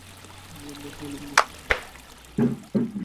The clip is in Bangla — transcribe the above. লম্বা পা, লম্বা ঠোঁট।